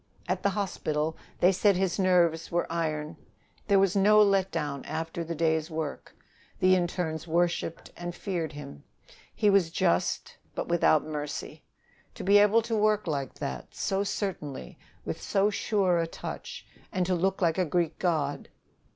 At the hospital they said his nerves were iron; there was no let down after the day's work. The internes worshiped and feared him. He was just, but without mercy. To be able to work like that, so certainly, with so sure a touch, and to look like a Greek god!